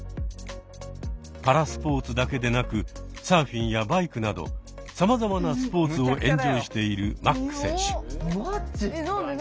パラスポーツだけでなくサーフィンやバイクなどさまざまなスポーツをエンジョイしているマック選手。